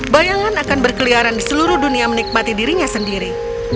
bayangan akan berkeliaran di seluruh dunia menikmati dirinya sendiri